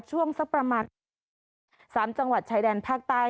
ช่วงสักประมาณ๓จังหวัดชายแดนภาคใต้